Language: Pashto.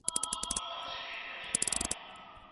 په شریعت کي افراط او تفریط نسته.